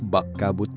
bak kabut berlalu